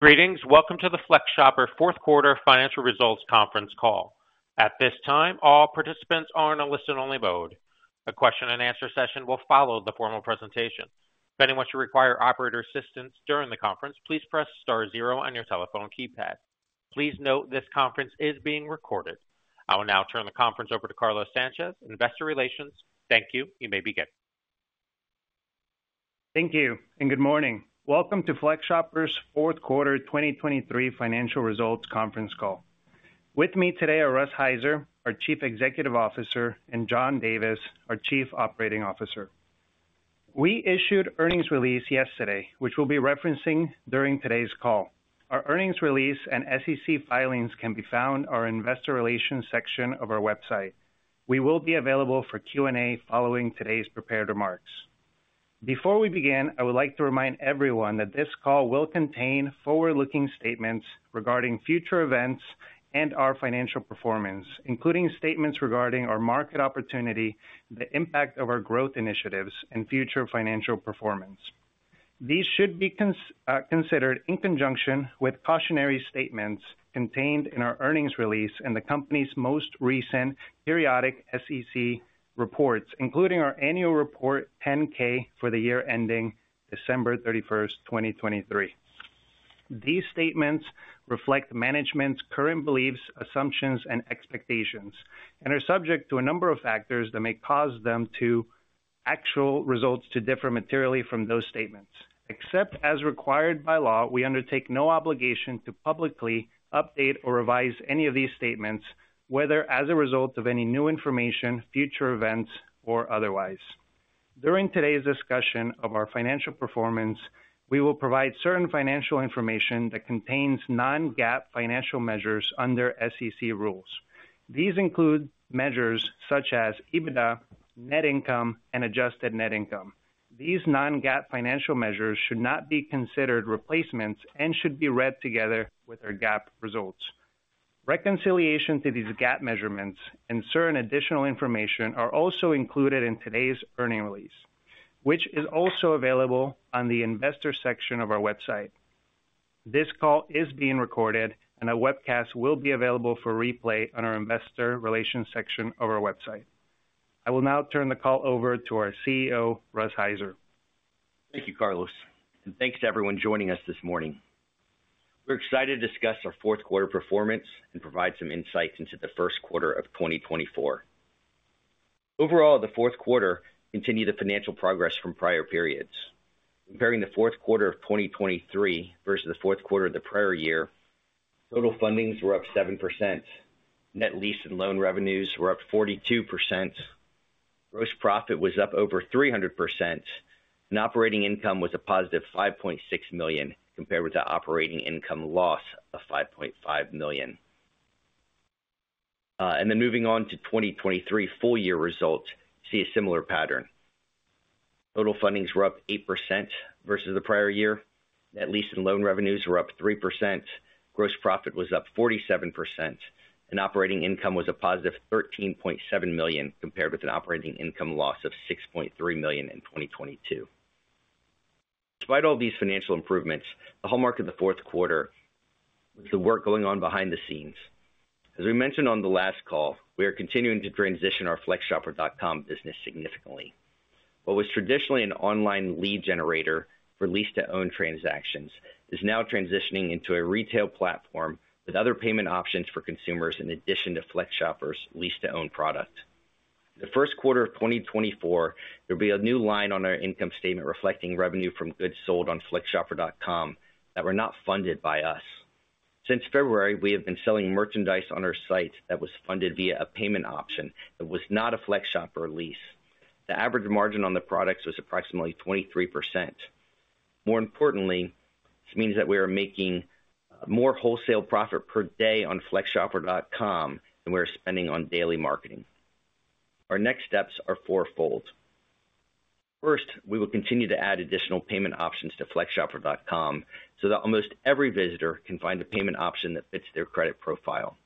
Greetings. Welcome to the FlexShopper fourth-quarter financial results conference call. At this time, all participants are in a listen-only mode. A question-and-answer session will follow the formal presentation. If anyone should require operator assistance during the conference, please press star zero on your telephone keypad. Please note this conference is being recorded. I will now turn the conference over to Carlos Sanchez, Investor Relations. Thank you. You may begin. Thank you, and good morning. Welcome to FlexShopper's fourth-quarter 2023 financial results conference call. With me today are Russ Heiser, our Chief Executive Officer, and John Davis, our Chief Operating Officer. We issued earnings release yesterday, which we'll be referencing during today's call. Our earnings release and SEC filings can be found in our Investor Relations section of our website. We will be available for Q&A following today's prepared remarks. Before we begin, I would like to remind everyone that this call will contain forward-looking statements regarding future events and our financial performance, including statements regarding our market opportunity, the impact of our growth initiatives, and future financial performance. These should be considered in conjunction with cautionary statements contained in our earnings release and the company's most recent periodic SEC reports, including our annual report 10-K for the year ending December 31st, 2023. These statements reflect management's current beliefs, assumptions, and expectations, and are subject to a number of factors that may cause actual results to differ materially from those statements. Except as required by law, we undertake no obligation to publicly update or revise any of these statements, whether as a result of any new information, future events, or otherwise. During today's discussion of our financial performance, we will provide certain financial information that contains non-GAAP financial measures under SEC rules. These include measures such as EBITDA, net income, and adjusted net income. These non-GAAP financial measures should not be considered replacements and should be read together with our GAAP results. Reconciliation to these GAAP measurements and certain additional information are also included in today's earnings release, which is also available on the Investor section of our website. This call is being recorded, and a webcast will be available for replay on our Investor Relations section of our website. I will now turn the call over to our CEO, Russ Heiser. Thank you, Carlos, and thanks to everyone joining us this morning. We are excited to discuss our fourth-quarter performance and provide some insights into the first quarter of 2024. Overall, the fourth quarter continued the financial progress from prior periods. Comparing the fourth quarter of 2023 versus the fourth quarter of the prior year, total fundings were up 7%, net lease and loan revenues were up 42%, gross profit was up over 300%, and operating income was a +$5.6 million compared with the operating income loss of $5.5 million. And then moving on to 2023 full-year results, we see a similar pattern. Total fundings were up 8% versus the prior year, net lease and loan revenues were up 3%, gross profit was up 47%, and operating income was a +$13.7 million compared with an operating income loss of $6.3 million in 2022. Despite all these financial improvements, the hallmark of the fourth quarter was the work going on behind the scenes. As we mentioned on the last call, we are continuing to transition our FlexShopper.com business significantly. What was traditionally an online lead generator for lease-to-own transactions is now transitioning into a retail platform with other payment options for consumers in addition to FlexShopper's lease-to-own product. In the first quarter of 2024, there will be a new line on our income statement reflecting revenue from goods sold on FlexShopper.com that were not funded by us. Since February, we have been selling merchandise on our site that was funded via a payment option that was not a FlexShopper lease. The average margin on the products was approximately 23%. More importantly, this means that we are making more wholesale profit per day on FlexShopper.com than we are spending on daily marketing. Our next steps are fourfold. First, we will continue to add additional payment options to FlexShopper.com so that almost every visitor can find a payment option that fits their credit profile,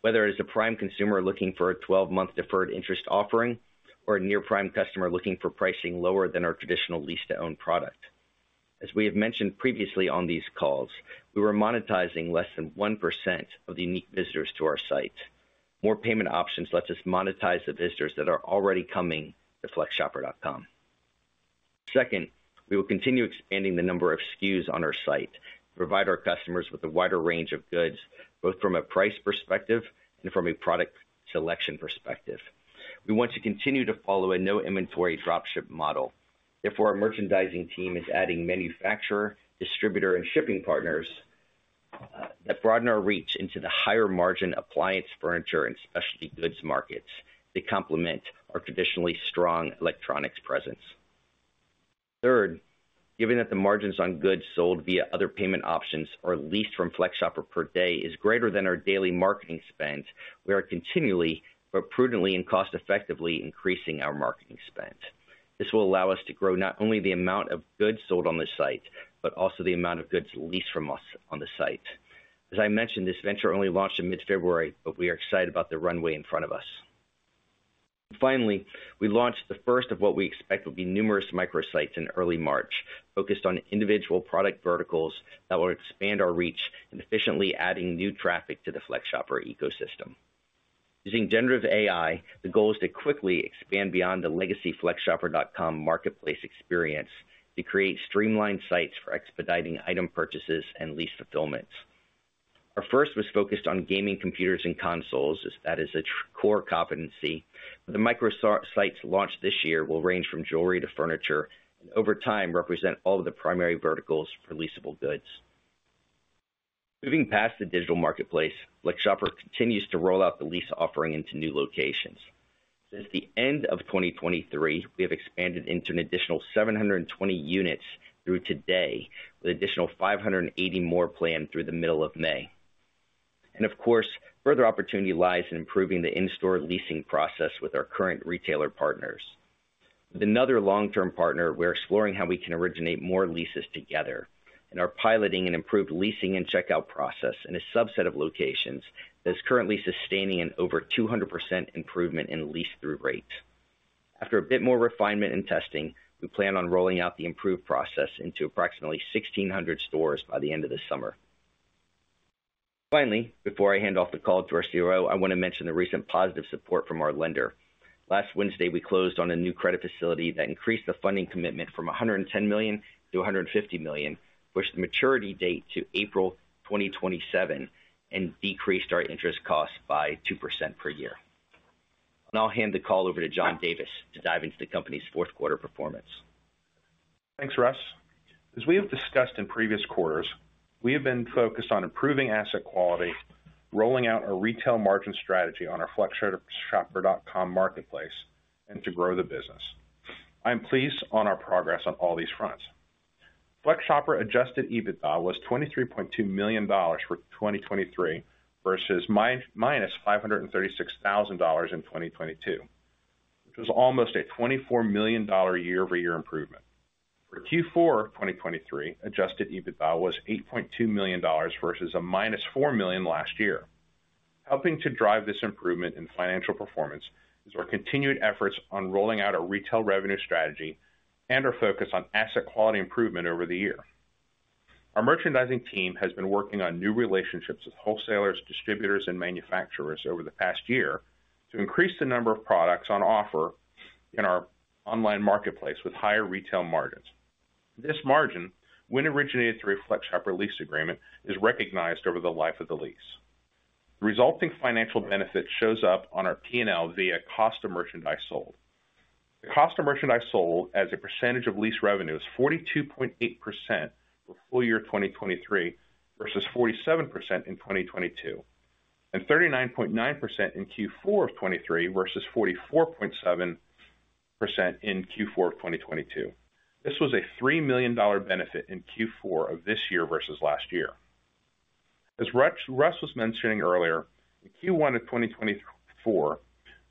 whether it is a prime consumer looking for a 12-month deferred interest offering or a near-prime customer looking for pricing lower than our traditional lease-to-own product. As we have mentioned previously on these calls, we were monetizing less than 1% of the unique visitors to our site. More payment options let us monetize the visitors that are already coming to FlexShopper.com. Second, we will continue expanding the number of SKUs on our site to provide our customers with a wider range of goods, both from a price perspective and from a product selection perspective. We want to continue to follow a no-inventory dropship model. Therefore, our merchandising team is adding manufacturer, distributor, and shipping partners that broaden our reach into the higher-margin appliance, furniture, and specialty goods markets that complement our traditionally strong electronics presence. Third, given that the margins on goods sold via other payment options or leased from FlexShopper per day are greater than our daily marketing spend, we are continually, but prudently and cost-effectively, increasing our marketing spend. This will allow us to grow not only the amount of goods sold on the site but also the amount of goods leased from us on the site. As I mentioned, this venture only launched in mid-February, but we are excited about the runway in front of us. Finally, we launched the first of what we expect will be numerous microsites in early March, focused on individual product verticals that will expand our reach and efficiently add new traffic to the FlexShopper ecosystem. Using generative AI, the goal is to quickly expand beyond the legacy FlexShopper.com marketplace experience to create streamlined sites for expediting item purchases and lease fulfillment. Our first was focused on gaming computers and consoles, as that is a core competency, but the microsites launched this year will range from jewelry to furniture and, over time, represent all of the primary verticals for leasable goods. Moving past the digital marketplace, FlexShopper continues to roll out the lease offering into new locations. Since the end of 2023, we have expanded into an additional 720 units through today, with an additional 580 more planned through the middle of May. Of course, further opportunity lies in improving the in-store leasing process with our current retailer partners. With another long-term partner, we are exploring how we can originate more leases together, and are piloting an improved leasing and checkout process in a subset of locations that is currently sustaining an over 200% improvement in lease-through rate. After a bit more refinement and testing, we plan on rolling out the improved process into approximately 1,600 stores by the end of this summer. Finally, before I hand off the call to our CEO, I want to mention the recent positive support from our lender. Last Wednesday, we closed on a new credit facility that increased the funding commitment from $110 million to $150 million, pushed the maturity date to April 2027, and decreased our interest costs by 2% per year. I will hand the call over to John Davis to dive into the company's fourth-quarter performance. Thanks, Russ. As we have discussed in previous quarters, we have been focused on improving asset quality, rolling out our retail margin strategy on our FlexShopper.com marketplace, and to grow the business. I am pleased on our progress on all these fronts. FlexShopper Adjusted EBITDA was $23.2 million for 2023 versus minus $536,000 in 2022, which was almost a $24 million year-over-year improvement. For Q4 2023, Adjusted EBITDA was $8.2 million versus a minus $4 million last year. Helping to drive this improvement in financial performance is our continued efforts on rolling out our retail revenue strategy and our focus on asset quality improvement over the year. Our merchandising team has been working on new relationships with wholesalers, distributors, and manufacturers over the past year to increase the number of products on offer in our online marketplace with higher retail margins. This margin, when originated through a FlexShopper lease agreement, is recognized over the life of the lease. The resulting financial benefit shows up on our P&L via cost of merchandise sold. The cost of merchandise sold as a percentage of lease revenue is 42.8% for full year 2023 versus 47% in 2022, and 39.9% in Q4 of 2023 versus 44.7% in Q4 of 2022. This was a $3 million benefit in Q4 of this year versus last year. As Russ was mentioning earlier, in Q1 of 2024,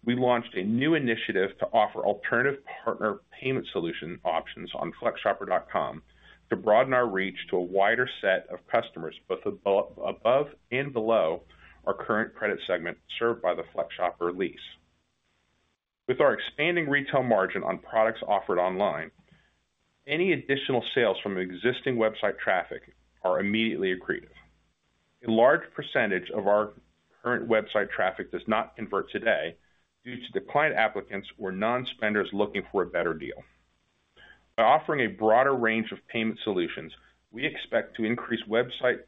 we launched a new initiative to offer alternative partner payment solution options on FlexShopper.com to broaden our reach to a wider set of customers, both above and below our current credit segment served by the FlexShopper lease. With our expanding retail margin on products offered online, any additional sales from existing website traffic are immediately accretive. A large percentage of our current website traffic does not convert today due to declined applicants or non-spenders looking for a better deal. By offering a broader range of payment solutions, we expect to increase website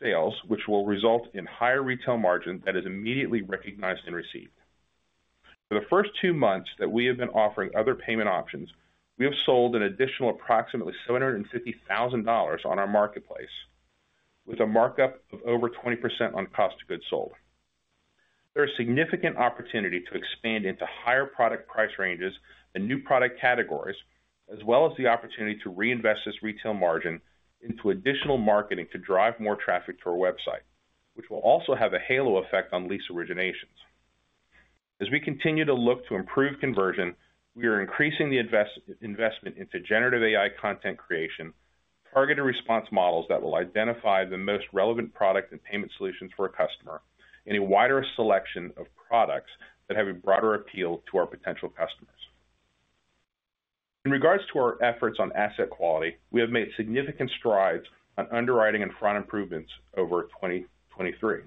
sales, which will result in higher retail margin that is immediately recognized and received. For the first two months that we have been offering other payment options, we have sold an additional approximately $750,000 on our marketplace, with a markup of over 20% on cost of goods sold. There is significant opportunity to expand into higher product price ranges and new product categories, as well as the opportunity to reinvest this retail margin into additional marketing to drive more traffic to our website, which will also have a halo effect on lease originations. As we continue to look to improve conversion, we are increasing the investment into generative AI content creation, targeted response models that will identify the most relevant product and payment solutions for a customer, and a wider selection of products that have a broader appeal to our potential customers. In regards to our efforts on asset quality, we have made significant strides on underwriting and fraud improvements over 2023.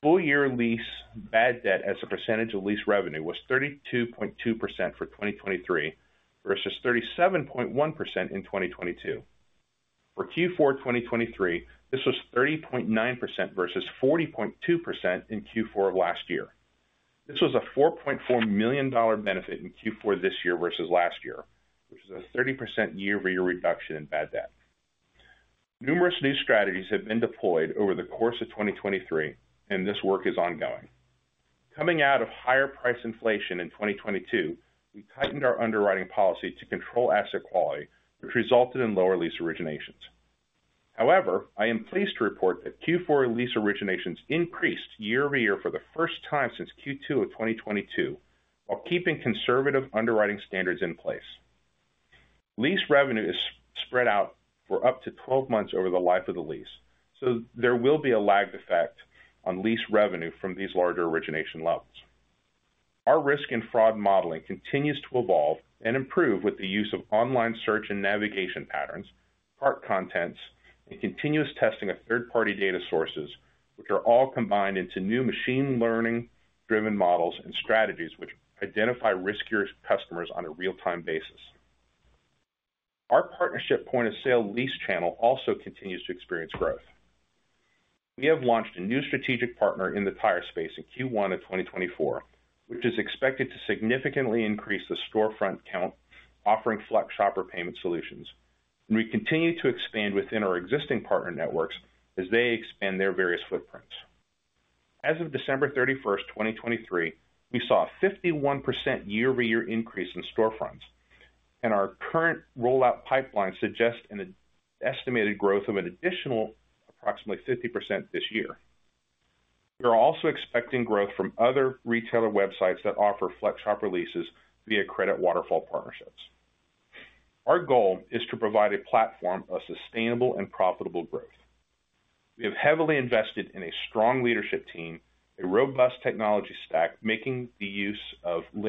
Full-year lease bad debt, as a percentage of lease revenue, was 32.2% for 2023 versus 37.1% in 2022. For Q4 2023, this was 30.9% versus 40.2% in Q4 of last year. This was a $4.4 million benefit in Q4 this year versus last year, which is a 30% year-over-year reduction in bad debt. Numerous new strategies have been deployed over the course of 2023, and this work is ongoing. Coming out of higher price inflation in 2022, we tightened our underwriting policy to control asset quality, which resulted in lower lease originations. However, I am pleased to report that Q4 lease originations increased year-over-year for the first time since Q2 of 2022, while keeping conservative underwriting standards in place. Lease revenue is spread out for up to 12 months over the life of the lease, so there will be a lagged effect on lease revenue from these larger origination levels. Our risk and fraud modeling continues to evolve and improve with the use of online search and navigation patterns, cart contents, and continuous testing of third-party data sources, which are all combined into new machine-learning-driven models and strategies which identify riskier customers on a real-time basis. Our partnership point-of-sale lease channel also continues to experience growth. We have launched a new strategic partner in the tire space in Q1 of 2024, which is expected to significantly increase the storefront count offering FlexShopper payment solutions, and we continue to expand within our existing partner networks as they expand their various footprints. As of December 31, 2023, we saw a 51% year-over-year increase in storefronts, and our current rollout pipeline suggests an estimated growth of an additional approximately 50% this year. We are also expecting growth from other retailer websites that offer FlexShopper leases via credit waterfall partnerships. Our goal is to provide a platform of sustainable and profitable growth. We have heavily invested in a strong leadership team, a robust technology stack making the use of the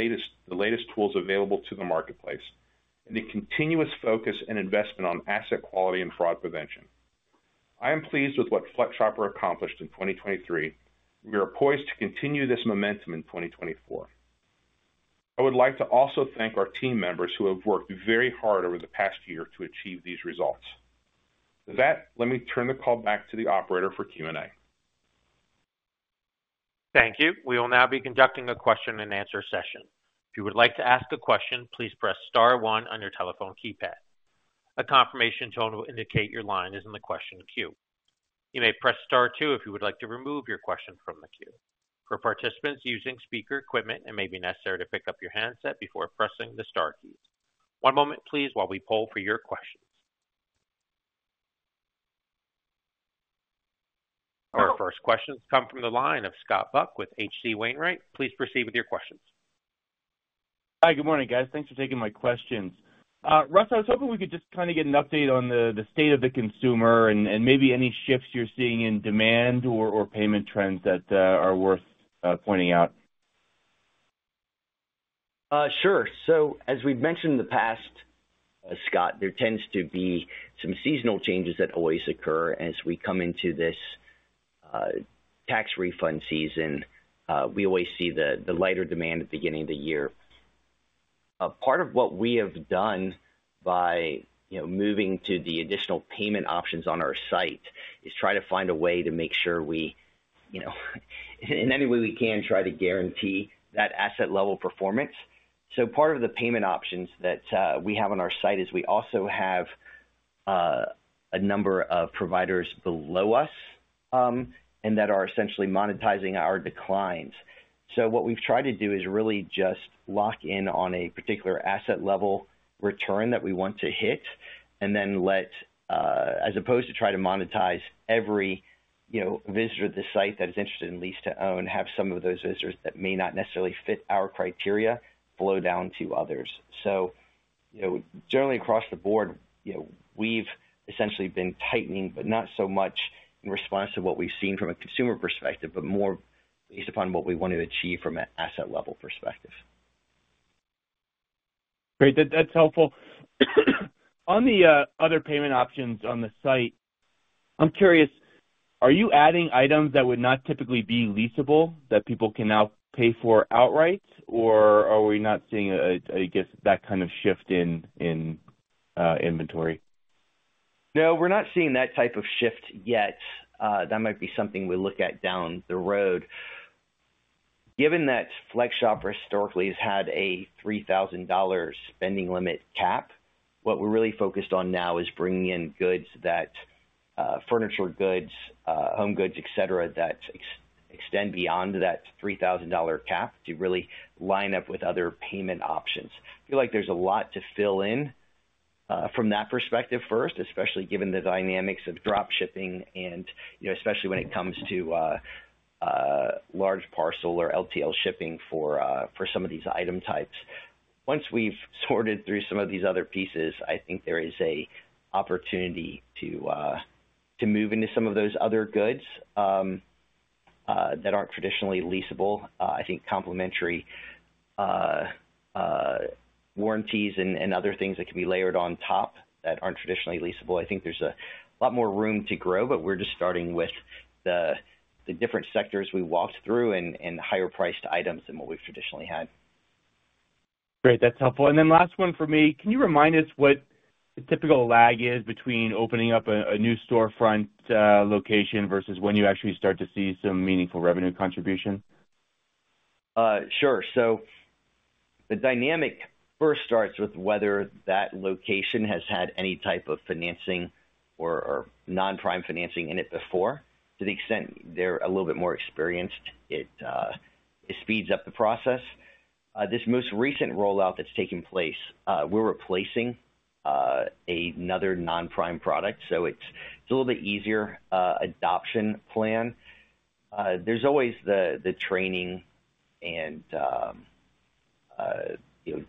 latest tools available to the marketplace, and a continuous focus and investment on asset quality and fraud prevention. I am pleased with what FlexShopper accomplished in 2023, and we are poised to continue this momentum in 2024. I would like to also thank our team members who have worked very hard over the past year to achieve these results. With that, let me turn the call back to the operator for Q&A. Thank you. We will now be conducting a question-and-answer session. If you would like to ask a question, please press star one on your telephone keypad. A confirmation tone will indicate your line is in the question queue. You may press star two if you would like to remove your question from the queue. For participants using speaker equipment, it may be necessary to pick up your handset before pressing the star keys. One moment, please, while we poll for your questions. Our first questions come from the line of Scott Buck with H.C. Wainwright. Please proceed with your questions. Hi. Good morning, guys. Thanks for taking my questions. Russ, I was hoping we could just kind of get an update on the state of the consumer and maybe any shifts you're seeing in demand or payment trends that are worth pointing out. Sure. So as we've mentioned in the past, Scott, there tends to be some seasonal changes that always occur as we come into this tax refund season. We always see the lighter demand at the beginning of the year. Part of what we have done by moving to the additional payment options on our site is try to find a way to make sure we in any way we can try to guarantee that asset-level performance. So part of the payment options that we have on our site is we also have a number of providers below us and that are essentially monetizing our declines. So what we've tried to do is really just lock in on a particular asset-level return that we want to hit, and then let as opposed to try to monetize every visitor to the site that is interested in lease-to-own, have some of those visitors that may not necessarily fit our criteria flow down to others. So generally, across the board, we've essentially been tightening, but not so much in response to what we've seen from a consumer perspective, but more based upon what we want to achieve from an asset-level perspective. Great. That's helpful. On the other payment options on the site, I'm curious, are you adding items that would not typically be leasable that people can now pay for outright, or are we not seeing, I guess, that kind of shift in inventory? No, we're not seeing that type of shift yet. That might be something we look at down the road. Given that FlexShopper historically has had a $3,000 spending limit cap, what we're really focused on now is bringing in goods that furniture goods, home goods, etc., that extend beyond that $3,000 cap to really line up with other payment options. I feel like there's a lot to fill in from that perspective first, especially given the dynamics of dropshipping, and especially when it comes to large parcel or LTL shipping for some of these item types. Once we've sorted through some of these other pieces, I think there is an opportunity to move into some of those other goods that aren't traditionally leasable. I think complementary warranties and other things that can be layered on top that aren't traditionally leasable. I think there's a lot more room to grow, but we're just starting with the different sectors we walked through and higher-priced items than what we've traditionally had. Great. That's helpful. And then last one for me, can you remind us what the typical lag is between opening up a new storefront location versus when you actually start to see some meaningful revenue contribution? Sure. So the dynamic first starts with whether that location has had any type of financing or non-prime financing in it before. To the extent they're a little bit more experienced, it speeds up the process. This most recent rollout that's taken place, we're replacing another non-prime product, so it's a little bit easier adoption plan. There's always the training and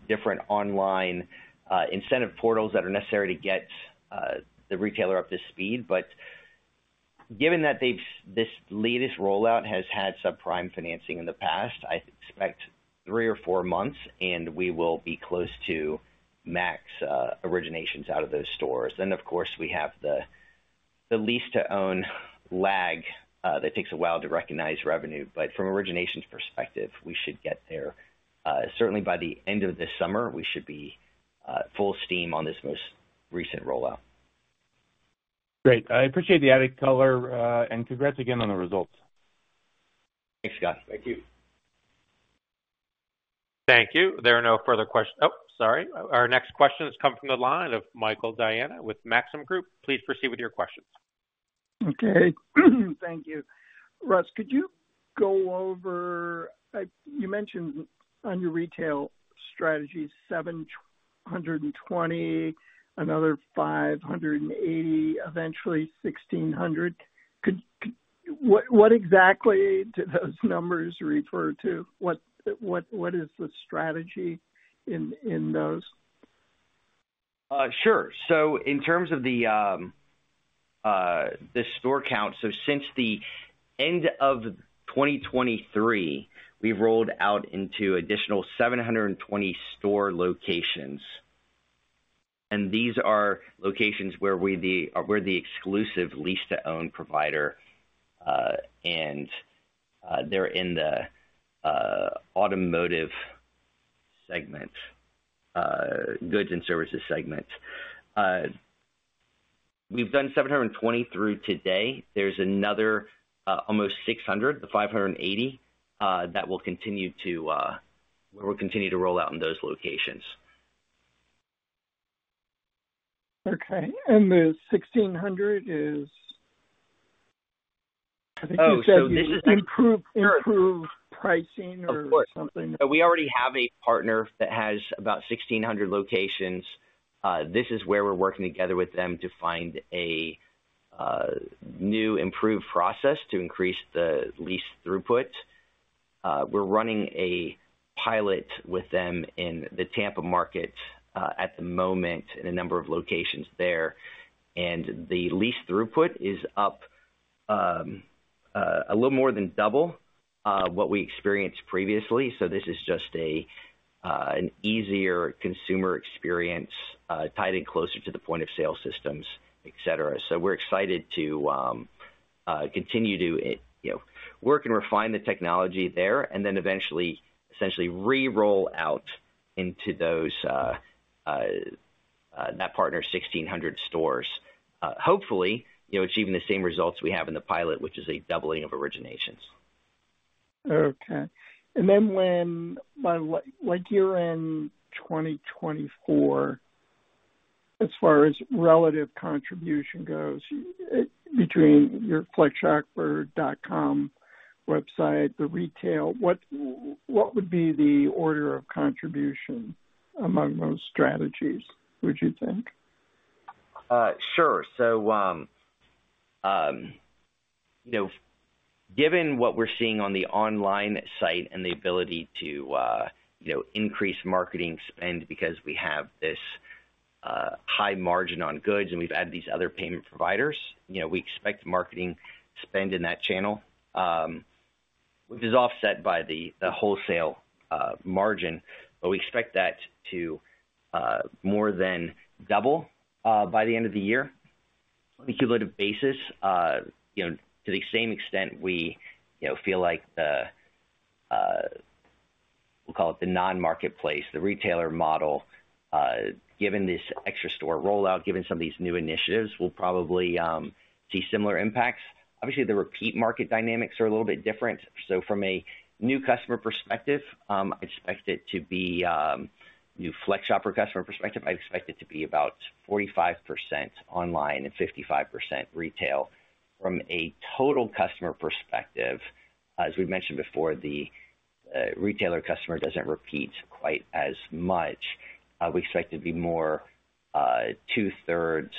different online incentive portals that are necessary to get the retailer up to speed. But given that this latest rollout has had sub-prime financing in the past, I expect three or four months, and we will be close to max originations out of those stores. Then, of course, we have the lease-to-own lag that takes a while to recognize revenue, but from originations perspective, we should get there. Certainly, by the end of this summer, we should be full steam on this most recent rollout. Great. I appreciate the added color, and congrats again on the results. Thanks, Scott. Thank you. Thank you. There are no further questions. Oh, sorry. Our next question is coming from the line of Michael Diana with Maxim Group. Please proceed with your questions. Okay. Thank you. Russ, could you go over you mentioned on your retail strategy, 720, another 580, eventually 1,600. What exactly do those numbers refer to? What is the strategy in those? Sure. So in terms of the store count, so since the end of 2023, we've rolled out into additional 720 store locations, and these are locations where we're the exclusive lease-to-own provider, and they're in the automotive segment, goods and services segment. We've done 720 through today. There's another almost 600, the 580, that we'll continue to where we'll continue to roll out in those locations. Okay. The 1,600 is, I think you said, improve pricing or something. Of course. So we already have a partner that has about 1,600 locations. This is where we're working together with them to find a new improved process to increase the lease throughput. We're running a pilot with them in the Tampa market at the moment in a number of locations there, and the lease throughput is up a little more than double what we experienced previously. So this is just an easier consumer experience, tied in closer to the point-of-sale systems, etc. So we're excited to continue to work and refine the technology there and then eventually essentially reroll out into that partner's 1,600 stores, hopefully achieving the same results we have in the pilot, which is a doubling of originations. Okay. And then when you're in 2024, as far as relative contribution goes, between your FlexShopper.com website, the retail, what would be the order of contribution among those strategies, would you think? Sure. So given what we're seeing on the online site and the ability to increase marketing spend because we have this high margin on goods and we've added these other payment providers, we expect marketing spend in that channel, which is offset by the wholesale margin, but we expect that to more than double by the end of the year on a cumulative basis. To the same extent we feel like the we'll call it the non-marketplace, the retailer model, given this extra store rollout, given some of these new initiatives, we'll probably see similar impacts. Obviously, the repeat market dynamics are a little bit different. So from a new customer perspective, I expect it to be new FlexShopper customer perspective, I expect it to be about 45% online and 55% retail. From a total customer perspective, as we mentioned before, the retailer customer doesn't repeat quite as much. We expect it to be more 2/3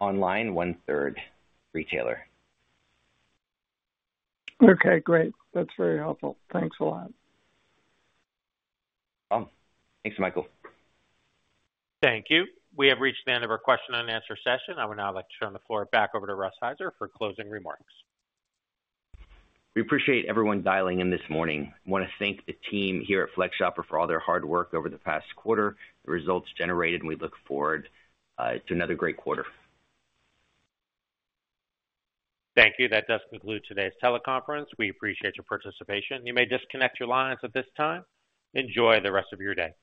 online, 1/3 retailer. Okay. Great. That's very helpful. Thanks a lot. No problem. Thanks, Michael. Thank you. We have reached the end of our question-and-answer session. I would now like to turn the floor back over to Russ Heiser for closing remarks. We appreciate everyone dialing in this morning. I want to thank the team here at FlexShopper for all their hard work over the past quarter, the results generated, and we look forward to another great quarter. Thank you. That does conclude today's teleconference. We appreciate your participation. You may disconnect your lines at this time. Enjoy the rest of your day.